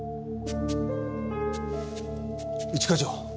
一課長。